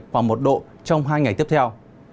khoảng một độ trong hai ngày tiếp theo